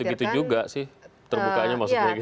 gak gitu gitu juga sih terbukaannya maksudnya gitu